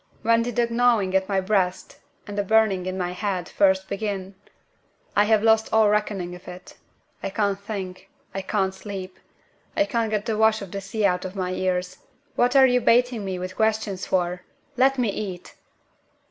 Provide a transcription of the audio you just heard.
When did the gnawing in my breast, and the burning in my head, first begin? I have lost all reckoning of it. I can't think; I can't sleep; I can't get the wash of the sea out of my ears. What are you baiting me with questions for? Let me eat!"